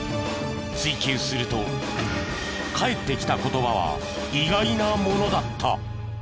追及すると返ってきた言葉は意外なものだった。